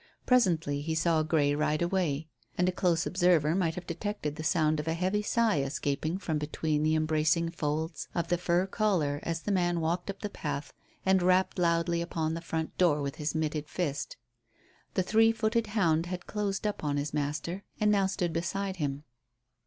Presently he saw Grey ride away, and a close observer might have detected the sound of a heavy sigh escaping from between the embracing folds of the fur collar as the man walked up the path and rapped loudly upon the front door with his mitted fist. The three footed hound had closed up on his master, and now stood beside him.